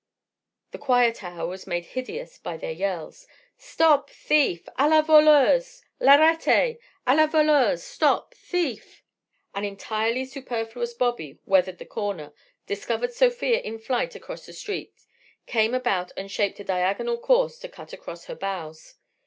The quiet hour was made hideous by their yells. "Stop thief!" "À la voleuse!" "L'arrêtez!" "À la voleuse!" "Stop thief!" An entirely superfluous bobby weathered the corner, discovered Sofia in flight across the street, came about, and shaped a diagonal course to cut across her bows.